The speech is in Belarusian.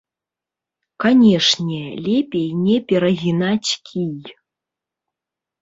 Канешне, лепей не перагінаць кій.